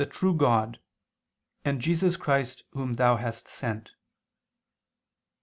. true God, and Jesus Christ Whom Thou hast sent."